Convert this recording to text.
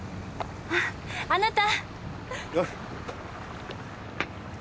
ああなた。